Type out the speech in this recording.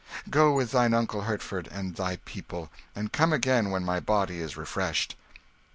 Go with thine uncle Hertford and thy people, and come again when my body is refreshed."